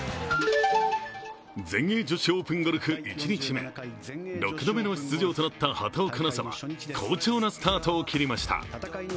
全英女子オープンゴルフ１日目６度目の出場となった畑岡奈紗は好調なスタートを切りました。